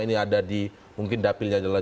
ini ada di mungkin dapilnya adalah